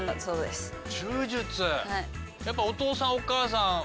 やっぱお父さんお母さん